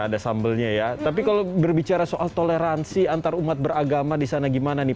ada sambelnya ya tapi kalau berbicara soal toleransi antarumat beragama di sana gimana nih